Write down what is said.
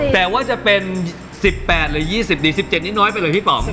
แต่ว่าจะเป็น๑๘หรือ๒๐ดี๑๗นี้น้อยไปเลยพี่ป๋อง